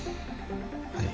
はい。